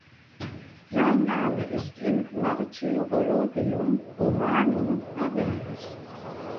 Sein Name ist im "Martyrologium Romanum" erwähnt.